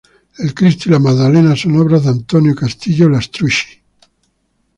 El Cristo y la Magdalena son obra de Antonio Castillo Lastrucci.